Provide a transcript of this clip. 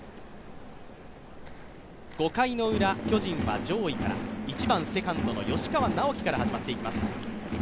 ５回のウラ、巨人は上位から１番・セカンドの吉川尚輝から始まっていきます。